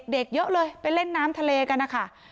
เด็กเยอะเลยไปเล่นน้ำทะเลกันนะคะ